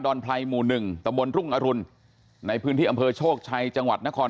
อนไพรหมู่หนึ่งตะบนรุ่งอรุณในพื้นที่อำเภอโชคชัยจังหวัดนคร